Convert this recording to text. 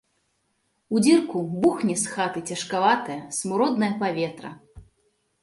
У дзірку бухне з хаты цяжкаватае смуроднае паветра.